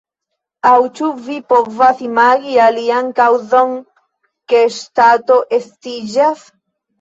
Aŭ ĉu vi povas imagi alian kaŭzon ke ŝtato estiĝas?